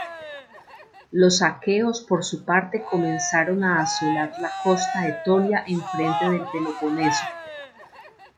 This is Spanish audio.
Los aqueos por su parte comenzaron a asolar la costa etolia enfrente del Peloponeso.